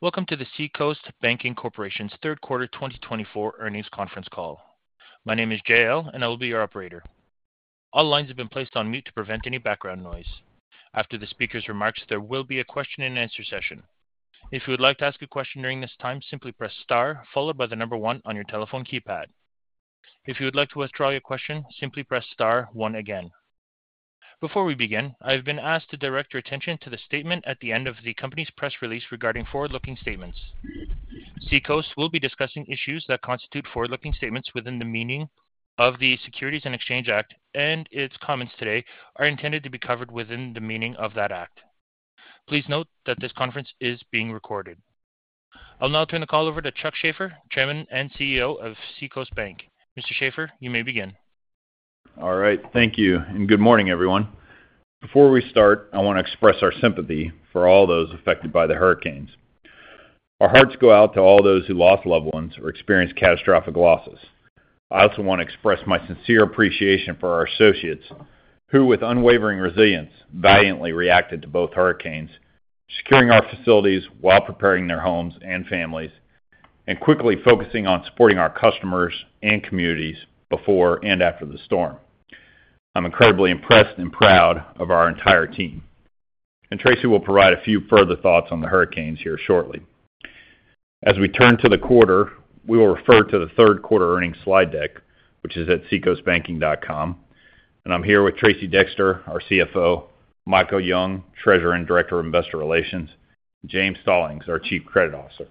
Welcome to the Seacoast Banking Corporation's third quarter 2024 earnings conference call. My name is JL, and I will be your operator. All lines have been placed on mute to prevent any background noise. After the speaker's remarks, there will be a question-and-answer session. If you would like to ask a question during this time, simply press star, followed by the number one on your telephone keypad. If you would like to withdraw your question, simply press star one again. Before we begin, I've been asked to direct your attention to the statement at the end of the company's press release regarding forward-looking statements. Seacoast will be discussing issues that constitute forward-looking statements within the meaning of the Securities and Exchange Act, and its comments today are intended to be covered within the meaning of that act. Please note that this conference is being recorded. I'll now turn the call over to Chuck Shaffer, Chairman and CEO of Seacoast Bank. Mr. Shaffer, you may begin. All right, thank you, and good morning, everyone. Before we start, I want to express our sympathy for all those affected by the hurricanes. Our hearts go out to all those who lost loved ones or experienced catastrophic losses. I also want to express my sincere appreciation for our associates, who, with unwavering resilience, valiantly reacted to both hurricanes, securing our facilities while preparing their homes and families, and quickly focusing on supporting our customers and communities before and after the storm. I'm incredibly impressed and proud of our entire team, and Tracey will provide a few further thoughts on the hurricanes here shortly. As we turn to the quarter, we will refer to the third quarter earnings slide deck, which is at seacoastbanking.com, and I'm here with Tracey Dexter, our CFO, Michael Young, Treasurer and Director of Investor Relations, and James Stallings, our Chief Credit Officer.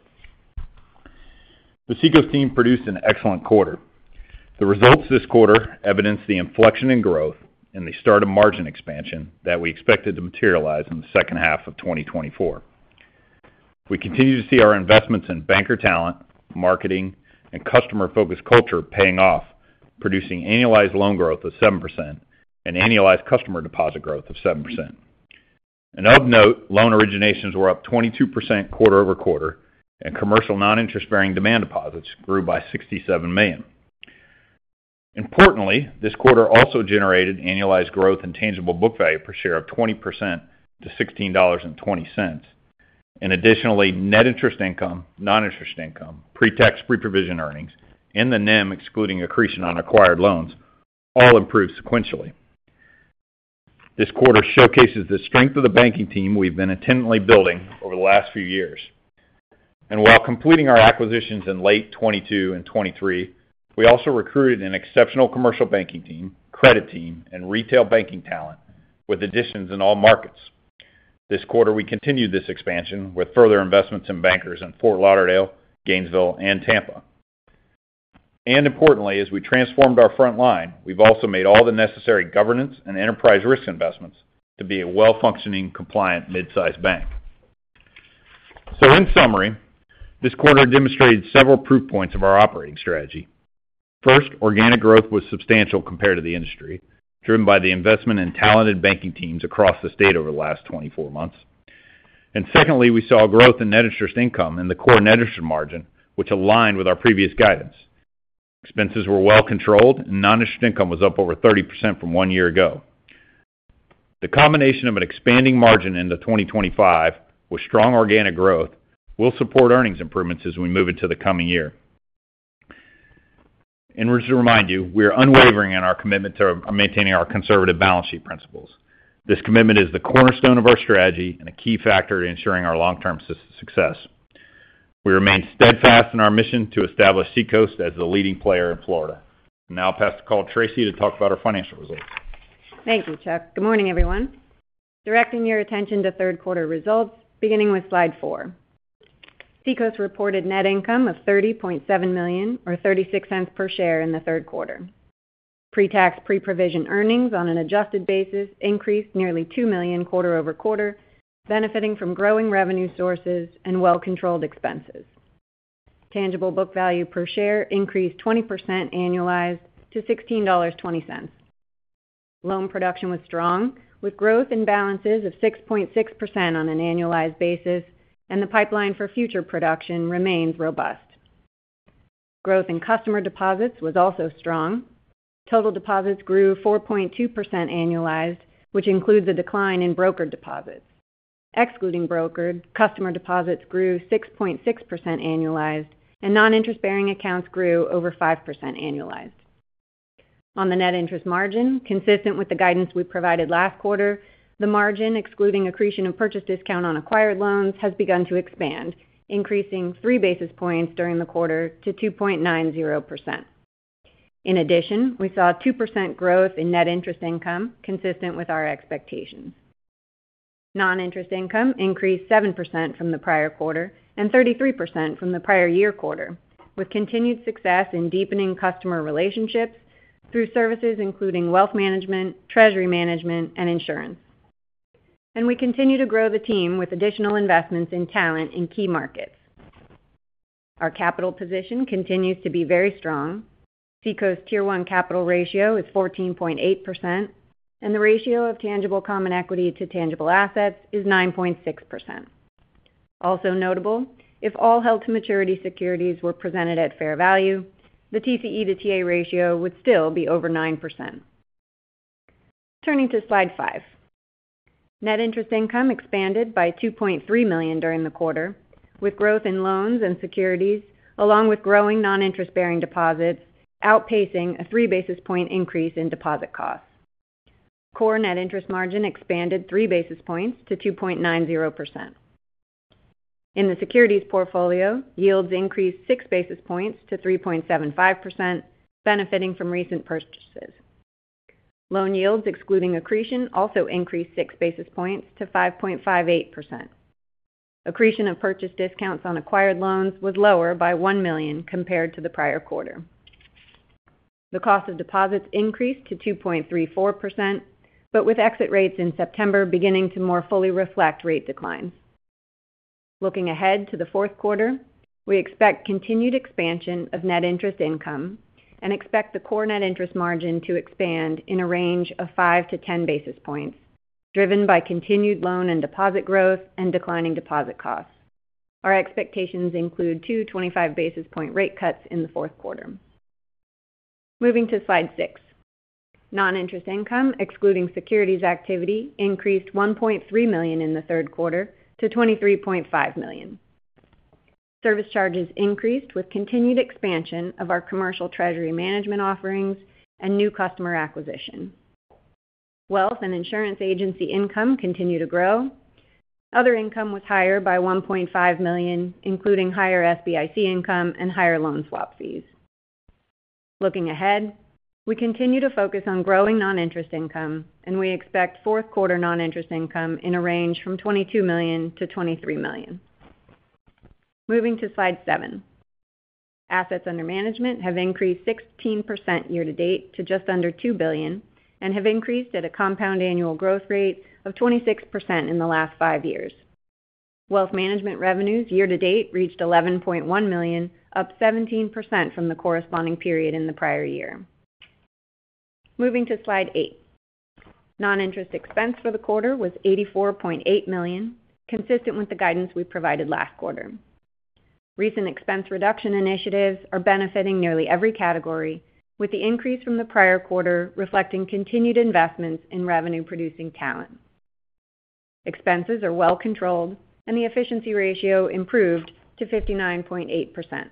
The Seacoast team produced an excellent quarter. The results this quarter evidenced the inflection in growth and the start of margin expansion that we expected to materialize in the second half of 2024. We continue to see our investments in banker talent, marketing, and customer-focused culture paying off, producing annualized loan growth of 7% and annualized customer deposit growth of 7%. And of note, loan originations were up 22% quarter over quarter, and commercial non-interest-bearing demand deposits grew by $67 million. Importantly, this quarter also generated annualized growth in tangible book value per share of 20% to $16.20. And additionally, net interest income, non-interest income, pre-tax, pre-provision earnings, and the NIM, excluding accretion on acquired loans, all improved sequentially. This quarter showcases the strength of the banking team we've been intentionally building over the last few years. And while completing our acquisitions in late 2022 and 2023, we also recruited an exceptional commercial banking team, credit team, and retail banking talent with additions in all markets. This quarter, we continued this expansion with further investments in bankers in Fort Lauderdale, Gainesville, and Tampa. And importantly, as we transformed our front line, we've also made all the necessary governance and enterprise risk investments to be a well-functioning, compliant mid-sized bank. So in summary, this quarter demonstrated several proof points of our operating strategy. First, organic growth was substantial compared to the industry, driven by the investment in talented banking teams across the state over the last 24 months. And secondly, we saw growth in net interest income and the core net interest margin, which aligned with our previous guidance. Expenses were well controlled, and non-interest income was up over 30% from one year ago. The combination of an expanding margin into 2025 with strong organic growth will support earnings improvements as we move into the coming year. Just to remind you, we are unwavering in our commitment to maintaining our conservative balance sheet principles. This commitment is the cornerstone of our strategy and a key factor in ensuring our long-term success. We remain steadfast in our mission to establish Seacoast as the leading player in Florida. Now I'll pass the call to Tracey to talk about our financial results. Thank you, Chuck. Good morning, everyone. Directing your attention to third quarter results, beginning with slide four. Seacoast reported net income of $30.7 million or $0.36 per share in the third quarter. Pre-tax, pre-provision earnings on an adjusted basis increased nearly $2 million quarter over quarter, benefiting from growing revenue sources and well-controlled expenses. Tangible book value per share increased 20% annualized to $16.20. Loan production was strong, with growth in balances of 6.6% on an annualized basis, and the pipeline for future production remains robust. Growth in customer deposits was also strong. Total deposits grew 4.2% annualized, which includes a decline in brokered deposits. Excluding brokered, customer deposits grew 6.6% annualized, and non-interest-bearing accounts grew over 5% annualized. On the net interest margin, consistent with the guidance we provided last quarter, the margin, excluding accretion and purchase discount on acquired loans, has begun to expand, increasing 3 basis points during the quarter to 2.90%. In addition, we saw a 2% growth in net interest income, consistent with our expectations. Non-interest income increased 7% from the prior quarter and 33% from the prior year quarter, with continued success in deepening customer relationships through services including wealth management, treasury management, and insurance, and we continue to grow the team with additional investments in talent in key markets. Our capital position continues to be very strong. Seacoast Tier 1 capital ratio is 14.8%, and the ratio of tangible common equity to tangible assets is 9.6%. Also notable, if all held to maturity securities were presented at fair value, the TCE to TA ratio would still be over 9%. Turning to slide five. Net interest income expanded by $2.3 million during the quarter, with growth in loans and securities, along with growing non-interest-bearing deposits, outpacing a 3-basis point increase in deposit costs. Core net interest margin expanded 3 basis points to 2.90%. In the securities portfolio, yields increased 6 basis points to 3.75%, benefiting from recent purchases. Loan yields, excluding accretion, also increased 6 basis points to 5.58%. Accretion of purchase discounts on acquired loans was lower by $1 million compared to the prior quarter. The cost of deposits increased to 2.34%, but with exit rates in September beginning to more fully reflect rate declines. Looking ahead to the fourth quarter, we expect continued expansion of net interest income and expect the core net interest margin to expand in a range of 5 to 10 basis points, driven by continued loan and deposit growth and declining deposit costs. Our expectations include two 25 basis point rate cuts in the fourth quarter. Moving to slide six. Non-interest income, excluding securities activity, increased $1.3 million in the third quarter to $23.5 million. Service charges increased with continued expansion of our commercial treasury management offerings and new customer acquisition. Wealth and insurance agency income continued to grow. Other income was higher by $1.5 million, including higher SBIC income and higher loan swap fees. Looking ahead, we continue to focus on growing non-interest income, and we expect fourth quarter non-interest income in a range from $22 million-$23 million. Moving to slide seven. Assets under management have increased 16% year-to-date to just under $2 billion and have increased at a compound annual growth rate of 26% in the last five years. Wealth management revenues year-to-date reached $11.1 million, up 17% from the corresponding period in the prior year. Moving to slide eight. Non-interest expense for the quarter was $84.8 million, consistent with the guidance we provided last quarter. Recent expense reduction initiatives are benefiting nearly every category, with the increase from the prior quarter reflecting continued investments in revenue-producing talent. Expenses are well controlled and the efficiency ratio improved to 59.8%.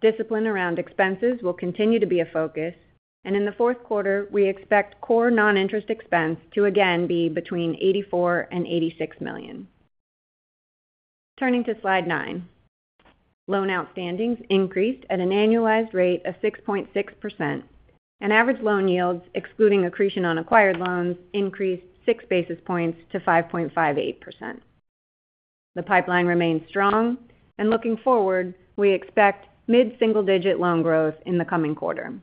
Discipline around expenses will continue to be a focus, and in the fourth quarter, we expect core non-interest expense to again be between $84 million and $86 million. Turning to slide nine. Loan outstanding increased at an annualized rate of 6.6%, and average loan yields, excluding accretion on acquired loans, increased six basis points to 5.58%. The pipeline remains strong, and looking forward, we expect mid-single-digit loan growth in the coming quarter.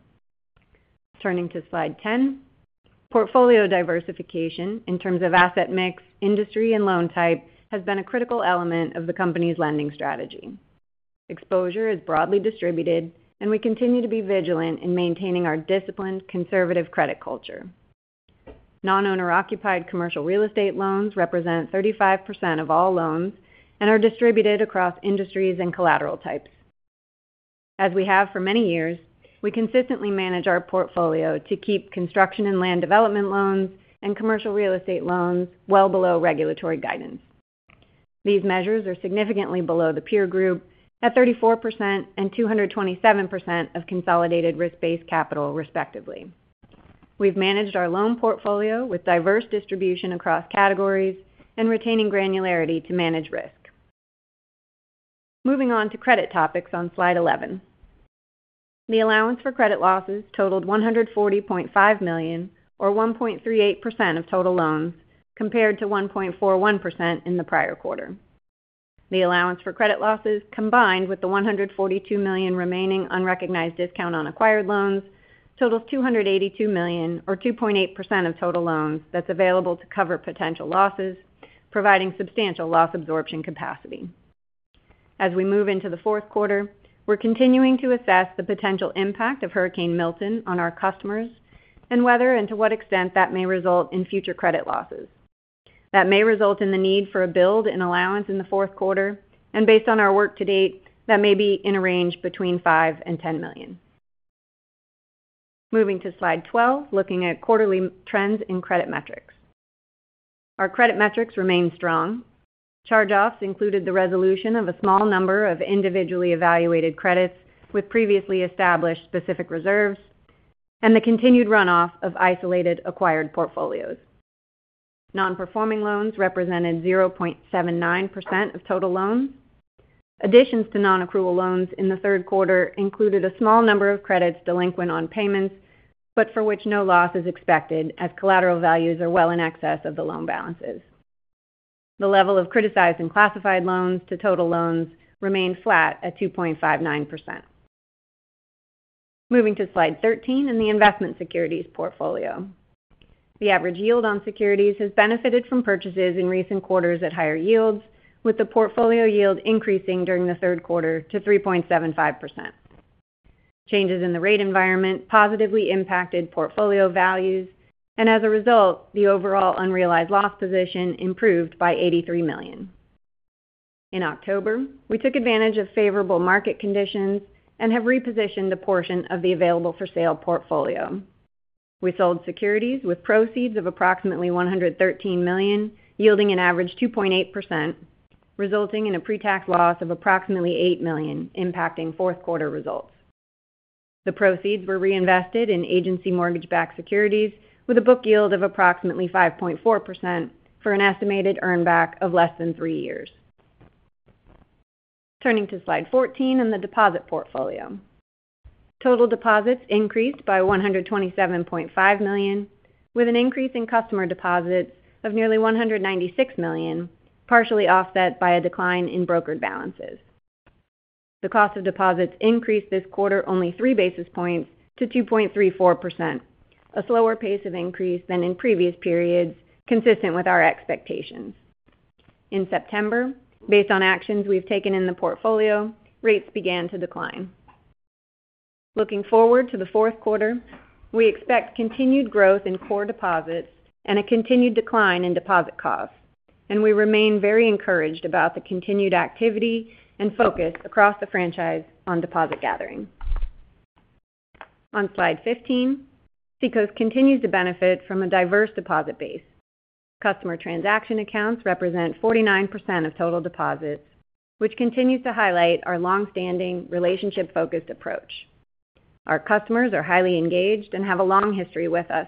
Turning to slide 10. Portfolio diversification in terms of asset mix, industry, and loan type has been a critical element of the company's lending strategy. Exposure is broadly distributed, and we continue to be vigilant in maintaining our disciplined, conservative credit culture. Non-owner-occupied commercial real estate loans represent 35% of all loans and are distributed across industries and collateral types. As we have for many years, we consistently manage our portfolio to keep construction and land development loans and commercial real estate loans well below regulatory guidance. These measures are significantly below the peer group at 34% and 227% of consolidated risk-based capital, respectively. We've managed our loan portfolio with diverse distribution across categories and retaining granularity to manage risk. Moving on to credit topics on slide 11. The allowance for credit losses totaled $140.5 million, or 1.38% of total loans, compared to 1.41% in the prior quarter. The allowance for credit losses, combined with the $142 million remaining unrecognized discount on acquired loans, totals $282 million, or 2.8% of total loans, that's available to cover potential losses, providing substantial loss absorption capacity. As we move into the fourth quarter, we're continuing to assess the potential impact of Hurricane Milton on our customers and whether and to what extent that may result in future credit losses. That may result in the need for a build in allowance in the fourth quarter, and based on our work to date, that may be in a range between $5 million and $10 million. Moving to slide 12, looking at quarterly trends in credit metrics. Our credit metrics remain strong. Charge-offs included the resolution of a small number of individually evaluated credits with previously established specific reserves and the continued runoff of isolated acquired portfolios. Non-performing loans represented 0.79% of total loans. Additions to non-accrual loans in the third quarter included a small number of credits delinquent on payments, but for which no loss is expected as collateral values are well in excess of the loan balances. The level of criticized and classified loans to total loans remained flat at 2.59%. Moving to slide 13 and the investment securities portfolio. The average yield on securities has benefited from purchases in recent quarters at higher yields, with the portfolio yield increasing during the third quarter to 3.75%. Changes in the rate environment positively impacted portfolio values, and as a result, the overall unrealized loss position improved by $83 million. In October, we took advantage of favorable market conditions and have repositioned a portion of the available-for-sale portfolio. We sold securities with proceeds of approximately $113 million, yielding an average 2.8%, resulting in a pretax loss of approximately $8 million, impacting fourth quarter results. The proceeds were reinvested in agency mortgage-backed securities with a book yield of approximately 5.4% for an estimated earn back of less than three years. Turning to slide 14 and the deposit portfolio. Total deposits increased by $127.5 million, with an increase in customer deposits of nearly $196 million, partially offset by a decline in brokered balances. The cost of deposits increased this quarter only three basis points to 2.34%, a slower pace of increase than in previous periods, consistent with our expectations. In September, based on actions we've taken in the portfolio, rates began to decline. Looking forward to the fourth quarter, we expect continued growth in core deposits and a continued decline in deposit costs, and we remain very encouraged about the continued activity and focus across the franchise on deposit gathering. On slide 15, Seacoast continues to benefit from a diverse deposit base. Customer transaction accounts represent 49% of total deposits, which continues to highlight our long-standing relationship-focused approach. Our customers are highly engaged and have a long history with us,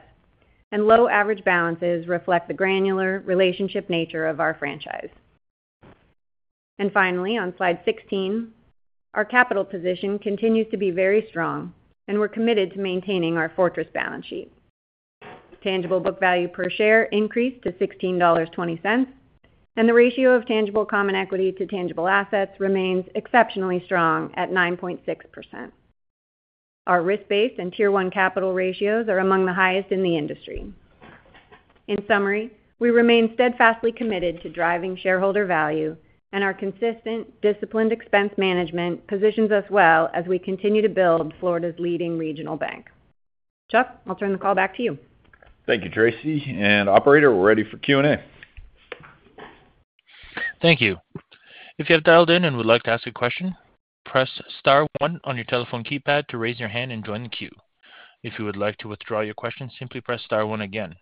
and low average balances reflect the granular relationship nature of our franchise. Finally, on slide 16, our capital position continues to be very strong, and we're committed to maintaining our fortress balance sheet. Tangible book value per share increased to $16.20, and the ratio of tangible common equity to tangible assets remains exceptionally strong at 9.6%. Our risk-based and Tier 1 capital ratios are among the highest in the industry. In summary, we remain steadfastly committed to driving shareholder value, and our consistent, disciplined expense management positions us well as we continue to build Florida's leading regional bank. Chuck, I'll turn the call back to you. Thank you, Tracey. And operator, we're ready for Q&A. Thank you. If you have dialed in and would like to ask a question, press star one on your telephone keypad to raise your hand and join the queue. If you would like to withdraw your question, simply press star one again.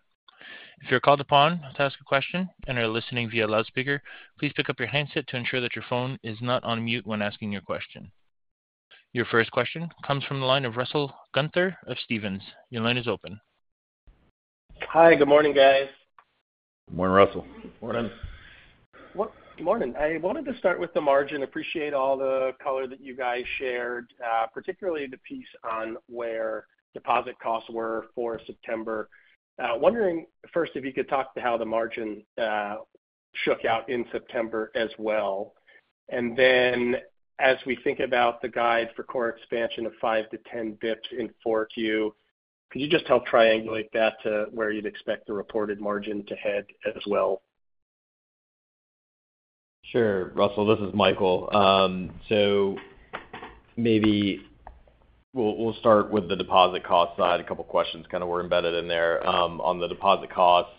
If you're called upon to ask a question and are listening via loudspeaker, please pick up your handset to ensure that your phone is not on mute when asking your question. Your first question comes from the line of Russell Gunther of Stephens. Your line is open. Hi, good morning, guys. Good morning, Russell. Good morning. Good morning. I wanted to start with the margin. Appreciate all the color that you guys shared, particularly the piece on where deposit costs were for September. Wondering, first, if you could talk to how the margin shook out in September as well. Then as we think about the guide for core expansion of 5-10 basis points in 4Q, could you just help triangulate that to where you'd expect the reported margin to head as well? Sure, Russell, this is Michael, so maybe we'll start with the deposit cost side. A couple of questions kind of were embedded in there. On the deposit costs,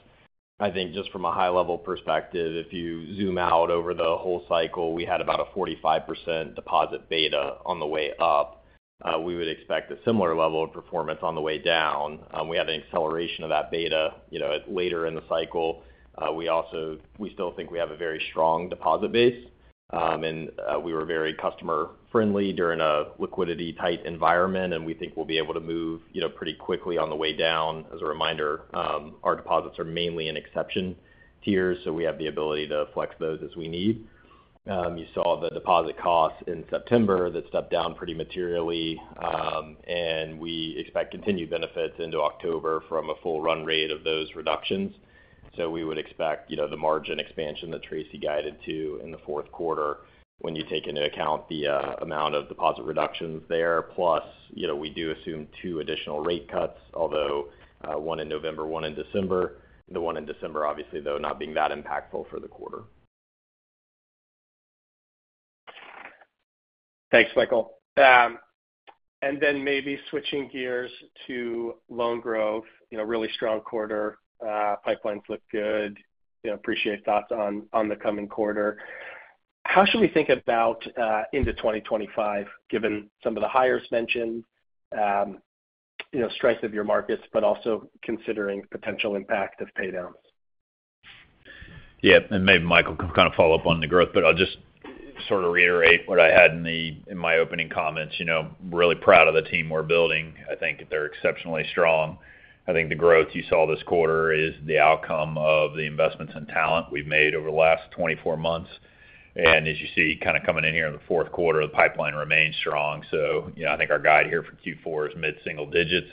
I think just from a high-level perspective, if you zoom out over the whole cycle, we had about a 45% deposit beta on the way up. We would expect a similar level of performance on the way down. We have an acceleration of that beta, you know, later in the cycle. We also still think we have a very strong deposit base, and we were very customer-friendly during a liquidity-tight environment, and we think we'll be able to move, you know, pretty quickly on the way down. As a reminder, our deposits are mainly in exception tiers, so we have the ability to flex those as we need. You saw the deposit costs in September that stepped down pretty materially, and we expect continued benefits into October from a full run rate of those reductions, so we would expect, you know, the margin expansion that Tracey guided to in the fourth quarter when you take into account the amount of deposit reductions there, plus, you know, we do assume two additional rate cuts, although one in November, one in December. The one in December, obviously, though, not being that impactful for the quarter. Thanks, Michael. And then maybe switching gears to loan growth, you know, really strong quarter, pipelines look good. You know, appreciate thoughts on the coming quarter. How should we think about into 2025, given some of the hires mentioned, you know, strength of your markets, but also considering potential impact of paydowns? Yeah, and maybe Michael can kind of follow up on the growth, but I'll just sort of reiterate what I had in my opening comments. You know, I'm really proud of the team we're building. I think they're exceptionally strong. I think the growth you saw this quarter is the outcome of the investments in talent we've made over the last 24 months. And as you see, kind of coming in here in the fourth quarter, the pipeline remains strong. So I think our guide here for Q4 is mid-single digits.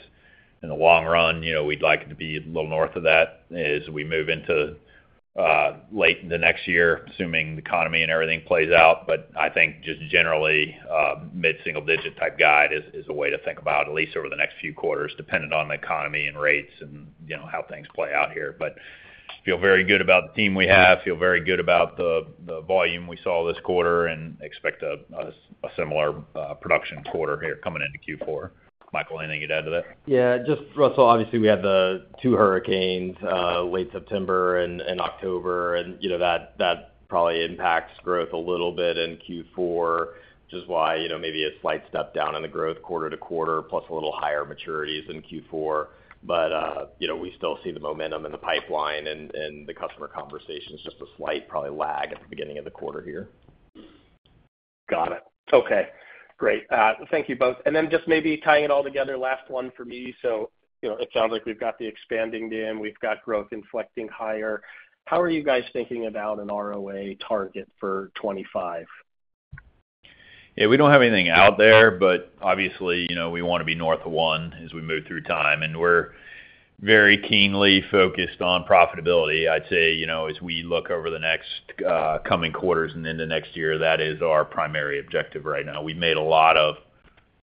In the long run, you know, we'd like it to be a little north of that as we move into late the next year, assuming the economy and everything plays out. But I think just generally, mid-single digit type guide is a way to think about, at least over the next few quarters, depending on the economy and rates and, you know, how things play out here. But feel very good about the team we have, feel very good about the volume we saw this quarter, and expect a similar production quarter here coming into Q4. Michael, anything to add to that? Yeah, just Russell, obviously we had the two hurricanes late September and October, and you know, that probably impacts growth a little bit in Q4, which is why, you know, maybe a slight step down in the growth quarter to quarter, plus a little higher maturities in Q4. But you know, we still see the momentum in the pipeline and the customer conversation is just a slight probably lag at the beginning of the quarter here. Got it. Okay, great. Thank you both. And then just maybe tying it all together, last one for me. So, you know, it sounds like we've got the expanding BIM, we've got growth inflecting higher. How are you guys thinking about an ROA target for 2025? Yeah, we don't have anything out there, but obviously, you know, we want to be north of one as we move through time, and we're very keenly focused on profitability. I'd say, you know, as we look over the next coming quarters and into next year, that is our primary objective right now. We made a lot of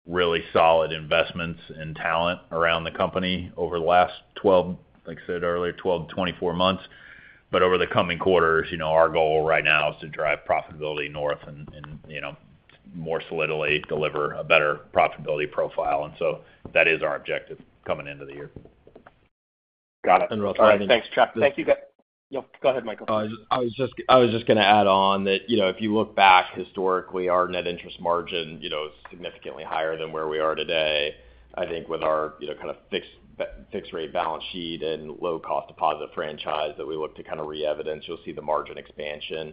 really solid investments in talent around the company over the last 12, like I said earlier, 12 to 24 months. But over the coming quarters, you know, our goal right now is to drive profitability north and, you know, more solidly deliver a better profitability profile, and so that is our objective coming into the year. Got it. And Russell- All right. Thanks, Chuck. Thank you, guys. Yeah, go ahead, Michael. I was just going to add on that, you know, if you look back historically, our net interest margin, you know, is significantly higher than where we are today. I think with our, you know, kind of fixed rate balance sheet and low-cost deposit franchise that we look to kind of releverage, you'll see the margin expansion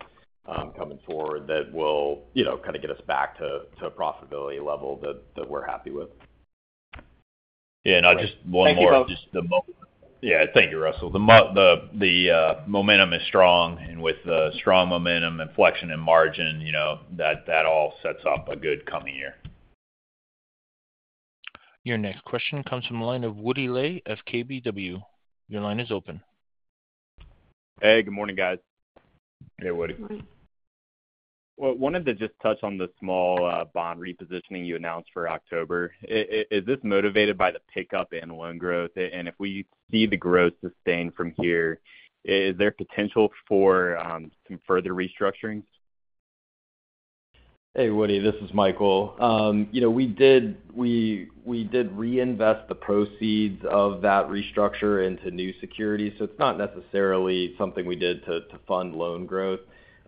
coming forward that will, you know, kind of get us back to a profitability level that we're happy with. Yeah, and just one more- Thank you, both. Yeah, thank you, Russell. The momentum is strong, and with the strong momentum, inflection, and margin, you know, that all sets up a good coming year. Your next question comes from the line of Woody Lay of KBW. Your line is open. Hey, good morning, guys. Hey, Woody. Good morning. Wanted to just touch on the small bond repositioning you announced for October. Is this motivated by the pickup in loan growth, and if we see the growth sustain from here, is there potential for some further restructurings? Hey, Woody, this is Michael. You know, we did reinvest the proceeds of that restructure into new securities, so it's not necessarily something we did to fund loan growth.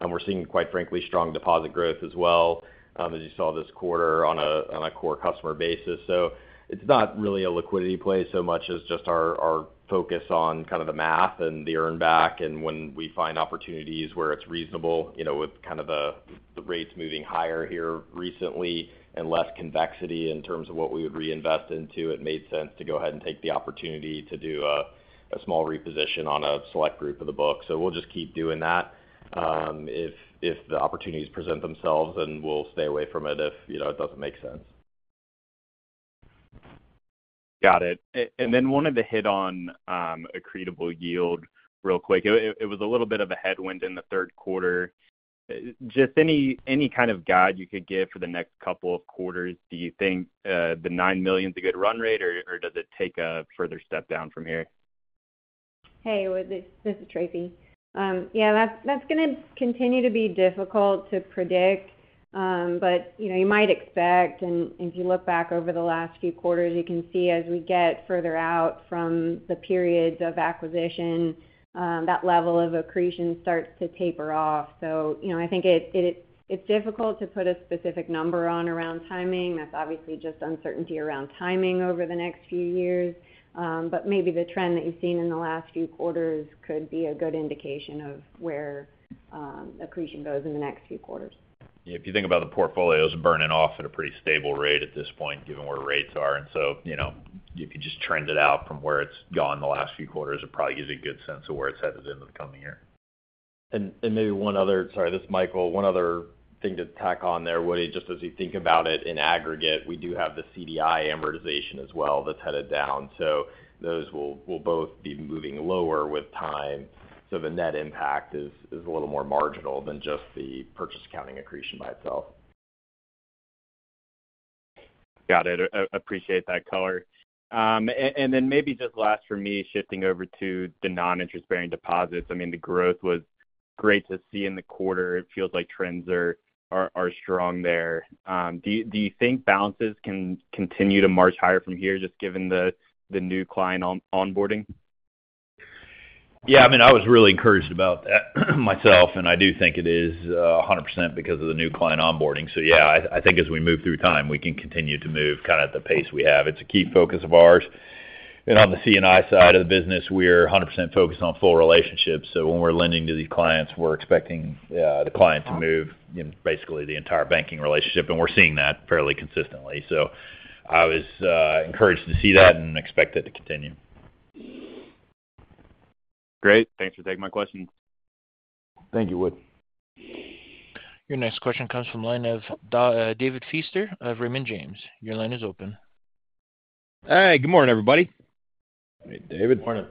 And we're seeing, quite frankly, strong deposit growth as well, as you saw this quarter on a core customer basis. So it's not really a liquidity play so much as just our focus on kind of the math and the earn back and when we find opportunities where it's reasonable, you know, with kind of the rates moving higher here recently and less convexity in terms of what we would reinvest into. It made sense to go ahead and take the opportunity to do a small reposition on a select group of the book. So we'll just keep doing that, if the opportunities present themselves, and we'll stay away from it if, you know, it doesn't make sense. Got it. And then wanted to hit on accretable yield real quick. It was a little bit of a headwind in the third quarter. Just any kind of guide you could give for the next couple of quarters, do you think the $9 million is a good run rate, or does it take a further step down from here? Hey, Woody, this is Tracey. Yeah, that's going to continue to be difficult to predict. But, you know, you might expect, and if you look back over the last few quarters, you can see as we get further out from the periods of acquisition, that level of accretion starts to taper off. So, you know, I think it's difficult to put a specific number on around timing. That's obviously just uncertainty around timing over the next few years. But maybe the trend that you've seen in the last few quarters could be a good indication of where accretion goes in the next few quarters. Yeah, if you think about the portfolios burning off at a pretty stable rate at this point, given where rates are. And so, you know, if you just trend it out from where it's gone in the last few quarters, it probably gives you a good sense of where it's headed into the coming year. Maybe one other... Sorry, this is Michael. One other thing to tack on there, Woody, just as you think about it in aggregate, we do have the CDI amortization as well that's headed down, so those will both be moving lower with time. The net impact is a little more marginal than just the purchase accounting accretion by itself. Got it. Appreciate that color. And then maybe just last for me, shifting over to the non-interest-bearing deposits. I mean, the growth was great to see in the quarter. It feels like trends are strong there. Do you think balances can continue to march higher from here, just given the new client onboarding? Yeah, I mean, I was really encouraged about that myself, and I do think it is 100% because of the new client onboarding. So yeah, I think as we move through time, we can continue to move kind of at the pace we have. It's a key focus of ours. And on the C&I side of the business, we're 100% focused on full relationships, so when we're lending to these clients, we're expecting the client to move in basically the entire banking relationship, and we're seeing that fairly consistently. So I was encouraged to see that and expect it to continue. Great. Thanks for taking my questions. Thank you, Woody. Your next question comes from the line of David Feaster of Raymond James. Your line is open. Hey, good morning, everybody. Hey, David. Morning.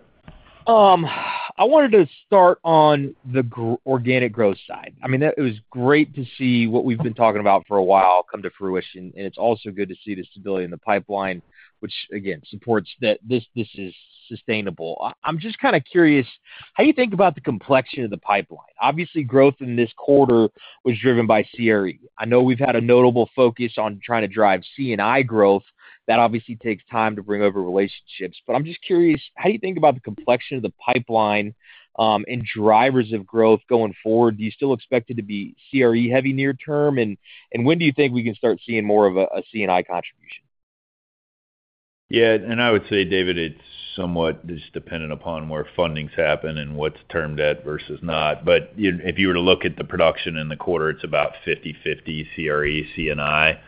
I wanted to start on the organic growth side. I mean, that it was great to see what we've been talking about for a while come to fruition, and it's also good to see the stability in the pipeline, which, again, supports that this, this is sustainable. I'm just kind of curious, how you think about the complexion of the pipeline? Obviously, growth in this quarter was driven by CRE. I know we've had a notable focus on trying to drive C&I growth. That obviously takes time to bring over relationships. But I'm just curious, how you think about the complexion of the pipeline, and drivers of growth going forward? Do you still expect it to be CRE-heavy near term? And when do you think we can start seeing more of a C&I contribution? Yeah, and I would say, David, it's somewhat just dependent upon where fundings happen and what's term debt versus not. But if you were to look at the production in the quarter, it's about 50/50 CRE, C&I.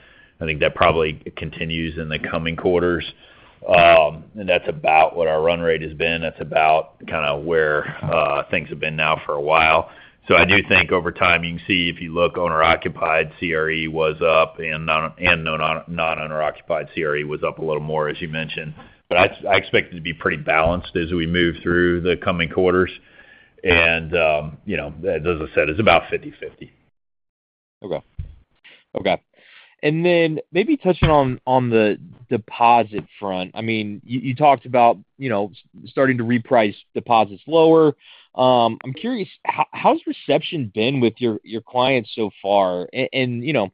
I think that probably continues in the coming quarters. And that's about what our run rate has been. That's about kind of where things have been now for a while. So I do think over time, you can see, if you look owner-occupied, CRE was up, and non-owner-occupied CRE was up a little more, as you mentioned. But I expect it to be pretty balanced as we move through the coming quarters. And you know, as I said, it's about 50/50. Okay. Okay. And then maybe touching on the deposit front. I mean, you talked about, you know, starting to reprice deposits lower. I'm curious, how's reception been with your clients so far? And, you know,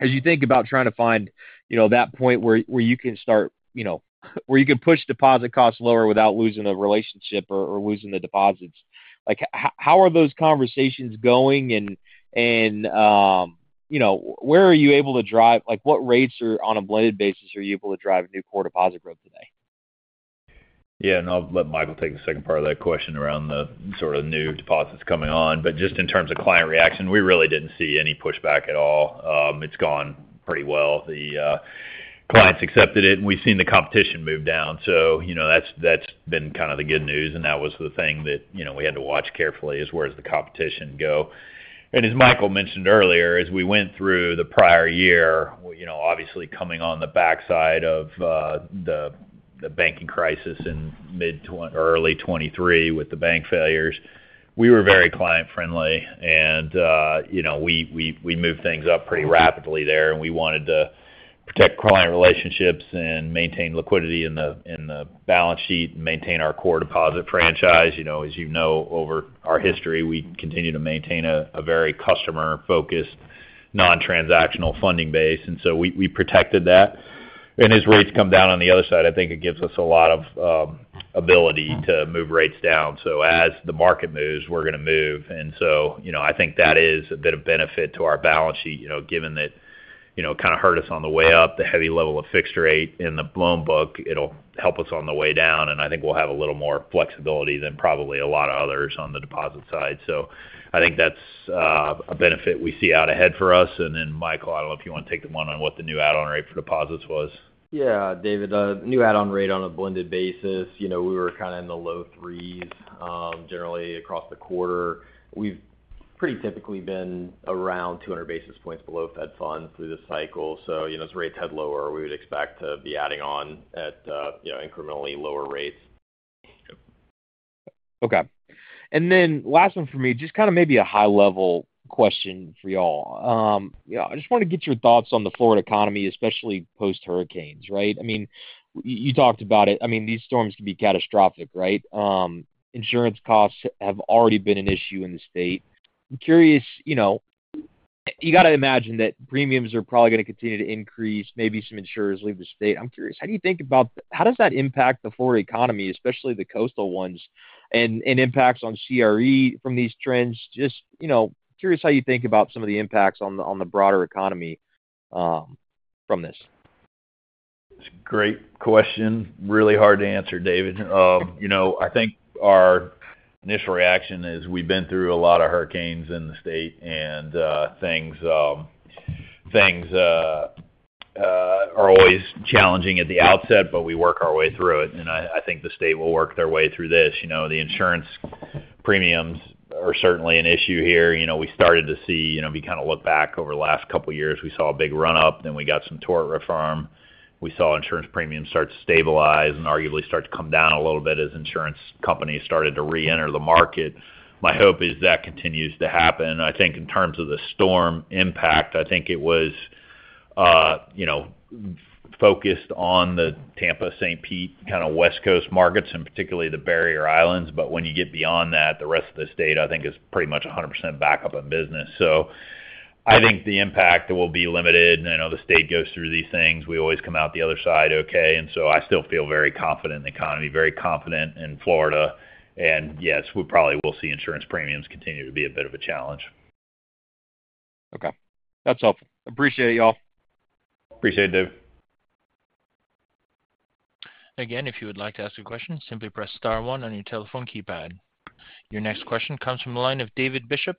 as you think about trying to find, you know, that point where you can push deposit costs lower without losing a relationship or losing the deposits. Like, how are those conversations going? And, you know, where are you able to drive, like, what rates are, on a blended basis, are you able to drive new core deposit growth today? Yeah, and I'll let Michael take the second part of that question around the sort of new deposits coming on. But just in terms of client reaction, we really didn't see any pushback at all. It's gone pretty well. The clients accepted it, and we've seen the competition move down. So, you know, that's, that's been kind of the good news, and that was the thing that, you know, we had to watch carefully, is where does the competition go. As Michael mentioned earlier, as we went through the prior year, you know, obviously coming on the backside of the banking crisis in early 2023 with the bank failures, we were very client-friendly, and you know, we moved things up pretty rapidly there, and we wanted to protect client relationships and maintain liquidity in the balance sheet and maintain our core deposit franchise. You know, as you know, over our history, we continue to maintain a very customer-focused, non-transactional funding base, and so we protected that. As rates come down on the other side, I think it gives us a lot of ability to move rates down. So as the market moves, we're going to move. And so, you know, I think that is a bit of benefit to our balance sheet, you know, given that, you know, it kind of hurt us on the way up, the heavy level of fixed rate in the loan book. It'll help us on the way down, and I think we'll have a little more flexibility than probably a lot of others on the deposit side. So I think that's a benefit we see out ahead for us. And then, Michael, I don't know if you want to take the one on what the new add-on rate for deposits was. Yeah, David, new add-on rate on a blended basis, you know, we were kind of in the low threes, generally across the quarter. We've pretty typically been around 200 basis points below Fed Funds through this cycle. So, you know, as rates head lower, we would expect to be adding on at, you know, incrementally lower rates. Yep. Okay. And then last one for me, just kind of maybe a high-level question for y'all. Yeah, I just want to get your thoughts on the Florida economy, especially post-hurricanes, right? I mean, you talked about it. I mean, these storms can be catastrophic, right? Insurance costs have already been an issue in the state. I'm curious, you know, you got to imagine that premiums are probably going to continue to increase, maybe some insurers leave the state. I'm curious, how do you think about how does that impact the Florida economy, especially the coastal ones, and impacts on CRE from these trends? Just, you know, curious how you think about some of the impacts on the broader economy from this. It's a great question. Really hard to answer, David. You know, I think our initial reaction is we've been through a lot of hurricanes in the state, and things are always challenging at the outset, but we work our way through it, and I think the state will work their way through this. You know, the insurance premiums are certainly an issue here. You know, we started to see, you know, if you kind of look back over the last couple of years, we saw a big run-up, then we got some tort reform. We saw insurance premiums start to stabilize and arguably start to come down a little bit as insurance companies started to reenter the market. My hope is that continues to happen. I think in terms of the storm impact, I think it was, you know, focused on the Tampa, St. Pete, kind of West Coast markets, and particularly the barrier islands. But when you get beyond that, the rest of the state, I think, is pretty much 100% back up in business. So I think the impact will be limited. I know the state goes through these things. We always come out the other side okay, and so I still feel very confident in the economy, very confident in Florida, and yes, we probably will see insurance premiums continue to be a bit of a challenge. Okay. That's all. Appreciate it, y'all. Appreciate it, Dave. Again, if you would like to ask a question, simply press star one on your telephone keypad. Your next question comes from the line of David Bishop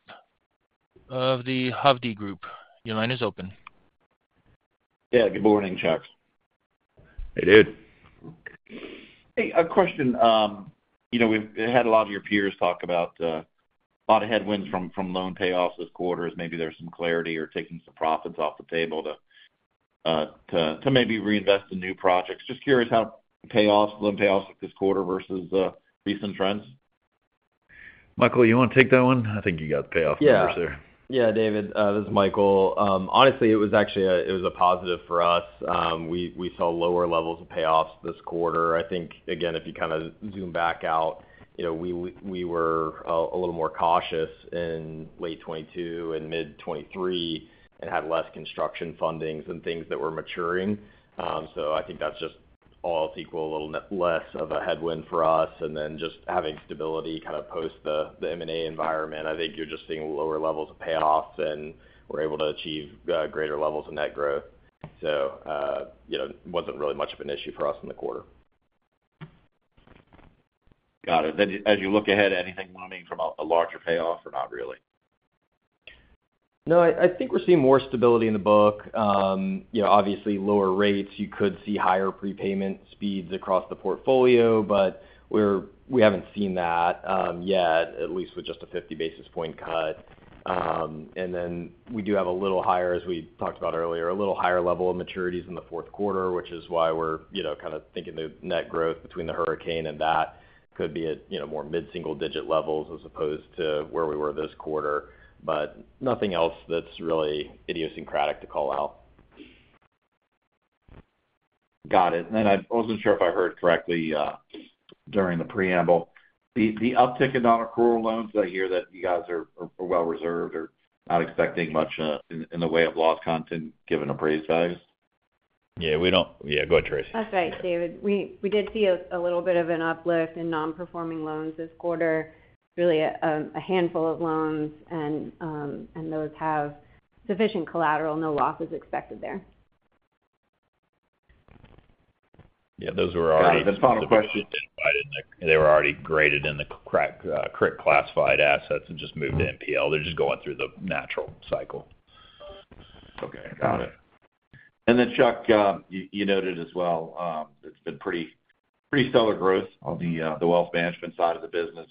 of the Hovde Group. Your line is open. Yeah, good morning, Chuck. Hey, David. Hey, a question. You know, we've had a lot of your peers talk about a lot of headwinds from loan payoffs this quarter, as maybe there's some clarity or taking some profits off the table to maybe reinvest in new projects. Just curious how payoffs, loan payoffs look this quarter versus recent trends? Michael, you want to take that one? I think you got the payoff numbers there. Yeah. Yeah, David, this is Michael. Honestly, it was actually a positive for us. We saw lower levels of payoffs this quarter. I think, again, if you kind of zoom back out, you know, we were a little more cautious in late 2022 and mid 2023 and had less construction fundings and things that were maturing. So I think that's just all else equal, a little less of a headwind for us, and then just having stability kind of post the M&A environment. I think you're just seeing lower levels of payoffs, and we're able to achieve greater levels of net growth. So, you know, wasn't really much of an issue for us in the quarter. Got it. Then as you look ahead, anything looming from a larger payoff or not really? No, I think we're seeing more stability in the book. You know, obviously, lower rates, you could see higher prepayment speeds across the portfolio, but we haven't seen that yet, at least with just a 50 basis point cut. And then we do have a little higher, as we talked about earlier, a little higher level of maturities in the fourth quarter, which is why we're, you know, kind of thinking the net growth between the hurricane and that could be at, you know, more mid-single digit levels as opposed to where we were this quarter. But nothing else that's really idiosyncratic to call out. Got it. And then I wasn't sure if I heard correctly during the preamble. The uptick in nonaccrual loans, I hear that you guys are well reserved or not expecting much in the way of loss content, given appraised values. Yeah, we don't... Yeah, go ahead, Tracey. That's right, David. We did see a little bit of an uplift in nonperforming loans this quarter. Really, a handful of loans and those have sufficient collateral. No loss is expected there. Yeah, those were already- Got it, then final question. They were already graded in the criticized and classified assets and just moved to NPL. They're just going through the natural cycle. Okay, got it. And then, Chuck, you noted as well, it's been pretty stellar growth on the wealth management side of the business.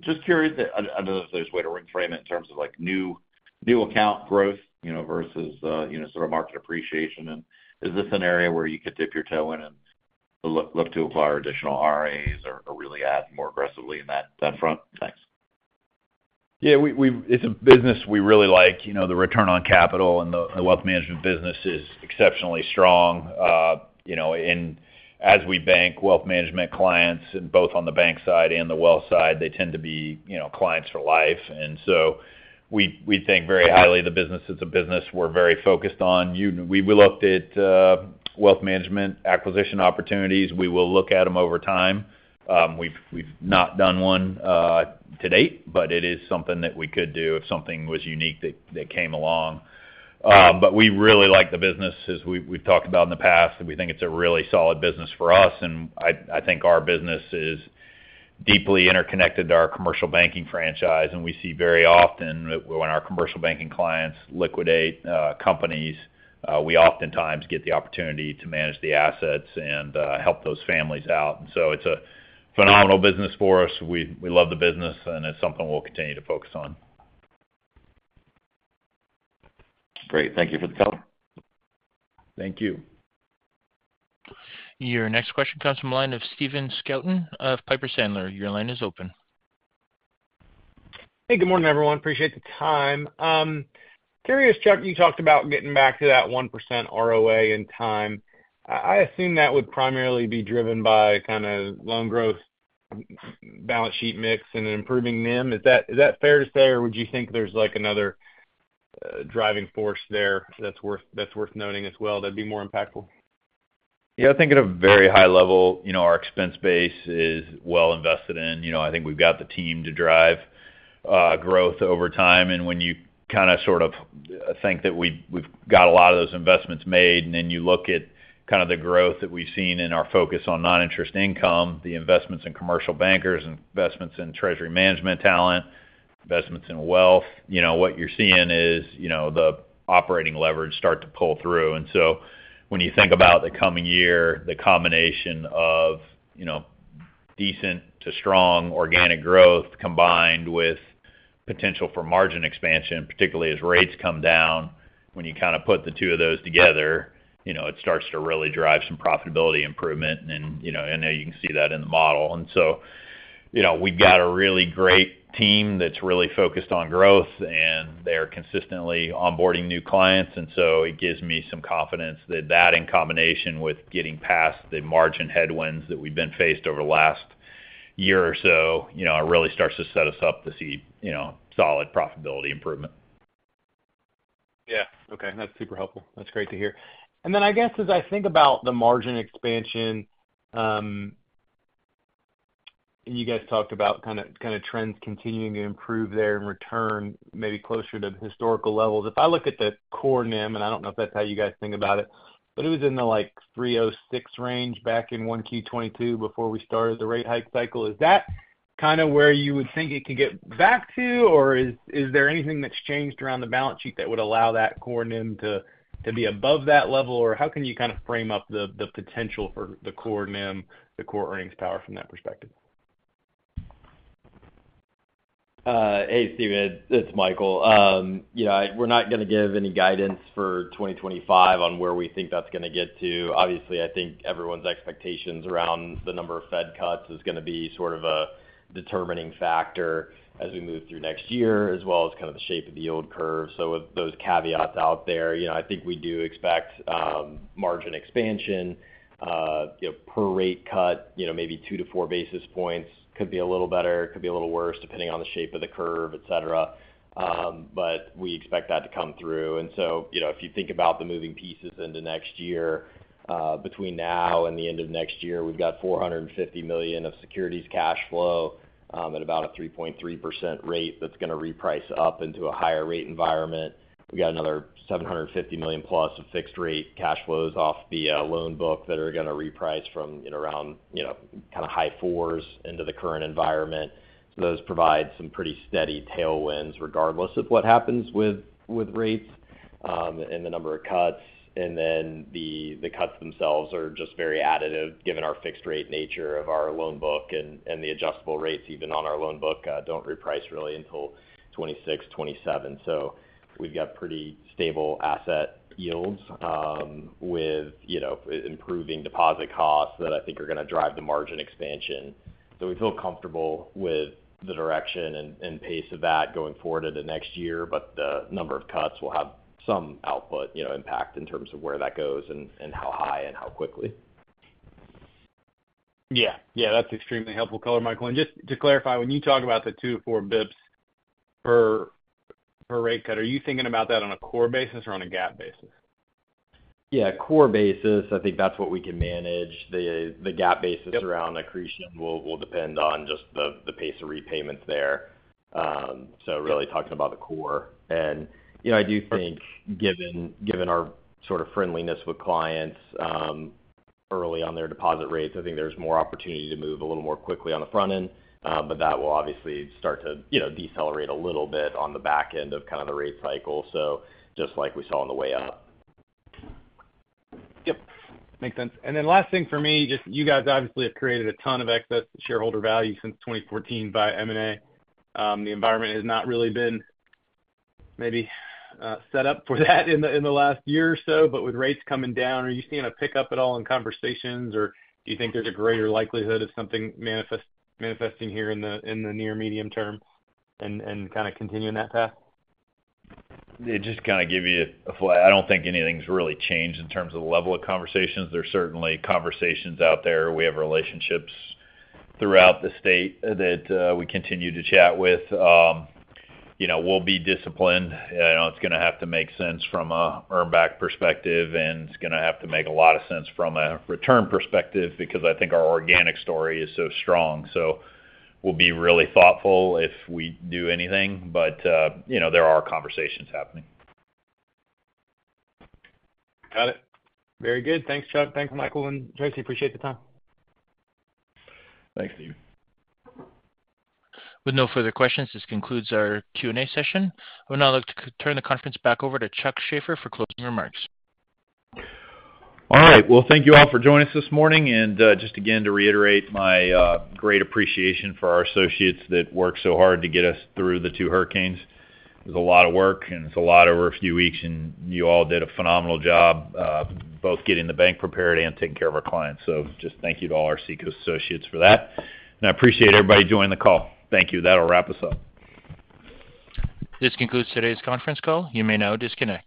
Just curious, I don't know if there's a way to reframe it in terms of, like, new account growth, you know, versus, you know, sort of market appreciation. And is this an area where you could dip your toe in and look to acquire additional RIAs or really add more aggressively in that front? Thanks. Yeah, we've. It's a business we really like. You know, the return on capital and the wealth management business is exceptionally strong. You know, and as we bank wealth management clients, and both on the bank side and the wealth side, they tend to be, you know, clients for life. And so we think very highly of the business as a business. We're very focused on. We looked at wealth management acquisition opportunities. We will look at them over time. We've not done one to date, but it is something that we could do if something was unique that came along. But we really like the business as we've talked about in the past, and we think it's a really solid business for us, and I think our business is deeply interconnected to our commercial banking franchise. And we see very often when our commercial banking clients liquidate companies, we oftentimes get the opportunity to manage the assets and help those families out. And so it's a phenomenal business for us. We love the business, and it's something we'll continue to focus on. Great. Thank you for the call. Thank you. Your next question comes from the line of Stephen Scouten of Piper Sandler. Your line is open. Hey, good morning, everyone. Appreciate the time. Curious, Chuck, you talked about getting back to that 1% ROA in time. I assume that would primarily be driven by kind of loan growth, balance sheet mix, and improving NIM. Is that fair to say, or would you think there's, like, another driving force there that's worth noting as well, that'd be more impactful? Yeah, I think at a very high level, you know, our expense base is well invested in. You know, I think we've got the team to drive growth over time. And when you kind of, sort of think that we, we've got a lot of those investments made, and then you look at kind of the growth that we've seen in our focus on non-interest income, the investments in commercial bankers, investments in treasury management talent, investments in wealth, you know, what you're seeing is, you know, the operating leverage start to pull through. And so when you think about the coming year, the combination of, you know, decent to strong organic growth, combined with potential for margin expansion, particularly as rates come down. When you kind of put the two of those together, you know, it starts to really drive some profitability improvement. You know, I know you can see that in the model. You know, we've got a really great team that's really focused on growth, and they are consistently onboarding new clients. It gives me some confidence that in combination with getting past the margin headwinds that we've been faced over the last year or so, you know, it really starts to set us up to see solid profitability improvement. Yeah. Okay. That's super helpful. That's great to hear. And then I guess, as I think about the margin expansion, and you guys talked about kind of trends continuing to improve there and return maybe closer to historical levels. If I look at the core NIM, and I don't know if that's how you guys think about it, but it was in the, like, three oh six range back in 1Q 2022 before we started the rate hike cycle. Is that kind of where you would think it could get back to, or is there anything that's changed around the balance sheet that would allow that core NIM to be above that level? Or how can you kind of frame up the potential for the core NIM, the core earnings power from that perspective? Hey, Steven, it's Michael. You know, we're not gonna give any guidance for 2025 on where we think that's gonna get to. Obviously, I think everyone's expectations around the number of Fed cuts is gonna be sort of a determining factor as we move through next year, as well as kind of the shape of the yield curve. So with those caveats out there, you know, I think we do expect margin expansion, you know, per rate cut, you know, maybe two to four basis points. Could be a little better, could be a little worse, depending on the shape of the curve, et cetera. But we expect that to come through. And so, you know, if you think about the moving pieces into next year, between now and the end of next year, we've got 450 million of securities cash flow at about a 3.3% rate that's gonna reprice up into a higher rate environment. We got another 750 million plus of fixed rate cash flows off the loan book that are going to reprice from, you know, around, you know, kind of high fours into the current environment. Those provide some pretty steady tailwinds, regardless of what happens with rates and the number of cuts. And then the cuts themselves are just very additive, given our fixed rate nature of our loan book and the adjustable rates, even on our loan book, don't reprice really until 2026, 2027. So we've got pretty stable asset yields, with, you know, improving deposit costs that I think are gonna drive the margin expansion. So we feel comfortable with the direction and pace of that going forward into next year, but the number of cuts will have some upside, you know, impact in terms of where that goes and how high and how quickly. Yeah, yeah, that's extremely helpful color, Michael. And just to clarify, when you talk about the 2-4 basis points per rate cut, are you thinking about that on a core basis or on a GAAP basis? Yeah, core basis. I think that's what we can manage. The GAAP basis- Yep Around accretion will depend on just the pace of repayments there. So really talking about the core. And, you know, I do think, given our sort of friendliness with clients, early on their deposit rates, I think there's more opportunity to move a little more quickly on the front end. But that will obviously start to, you know, decelerate a little bit on the back end of kind of the rate cycle, so just like we saw on the way up. Yep, makes sense, and then last thing for me, just you guys obviously have created a ton of excess shareholder value since 2014 by M&A. The environment has not really been maybe set up for that in the last year or so. But with rates coming down, are you seeing a pickup at all in conversations, or do you think there's a greater likelihood of something manifesting here in the near medium term and kind of continuing that path? Just kind of give you a flat. I don't think anything's really changed in terms of the level of conversations. There are certainly conversations out there. We have relationships throughout the state that we continue to chat with. You know, we'll be disciplined. It's gonna have to make sense from a earn back perspective, and it's gonna have to make a lot of sense from a return perspective because I think our organic story is so strong. So we'll be really thoughtful if we do anything, but you know, there are conversations happening. Got it. Very good. Thanks, Chuck. Thanks, Michael and Tracey. Appreciate the time. Thanks, Stephen. With no further questions, this concludes our Q&A session. I would now like to turn the conference back over to Chuck Shaffer for closing remarks. All right, well, thank you all for joining us this morning and, just again, to reiterate my great appreciation for our associates that worked so hard to get us through the two hurricanes. It was a lot of work, and it's a lot over a few weeks, and you all did a phenomenal job, both getting the bank prepared and taking care of our clients, so just thank you to all our Seacoast associates for that, and I appreciate everybody joining the call. Thank you. That'll wrap us up. This concludes today's conference call. You may now disconnect.